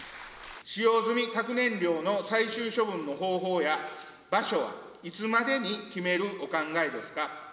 使用済み核燃料の最終処分の方法や場所は、いつまでに決めるお考えですか。